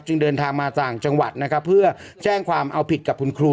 เดินทางมาต่างจังหวัดนะครับเพื่อแจ้งความเอาผิดกับคุณครู